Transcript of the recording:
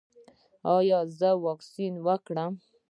ایا زه واکسین وکړم؟